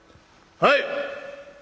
「はい！」。